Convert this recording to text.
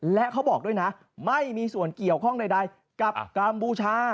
และเขาบอกด้วยนะไม่มีส่วนเกี่ยวข้องใดกับกัมพูชา